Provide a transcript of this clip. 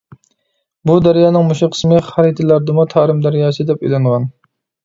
بۇ دەريانىڭ مۇشۇ قىسمى خەرىتىلەردىمۇ «تارىم دەرياسى» دەپ ئېلىنغان.